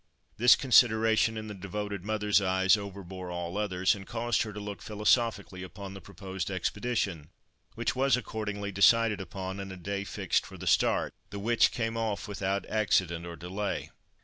This consideration, in the devoted mother's eyes, overbore all others, and caused her to look philosophically upon the proposed expedition—which was accordingly decided upon, and a day fixed for the start, the which came off without accident or delay.